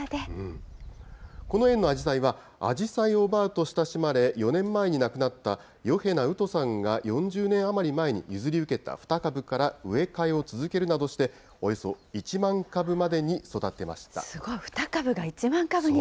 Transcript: この園のアジサイは、アジサイおばぁと親しまれ、４年前に亡くなった饒平名ウトさんが４０年余り前に譲り受けた２株から、植え替えを続けるなどして、およそ１万株までに育てましすごい、２株が１万株に。